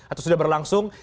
atau sudah berlangsung